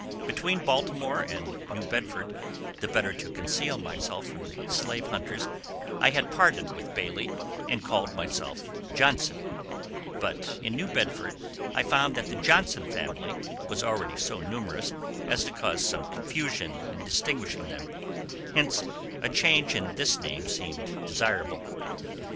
Between Baltimore and New Bedford, the better to conceal myself from the slave hunters, I had parted with Bailey and called myself Johnson; but in New Bedford I found that the Johnson family was already so numerous as to cause some confusion in distinguishing them, hence a change in this name seemed desirable.